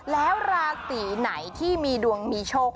แล้วราศีไหนที่มีดวงมีโชค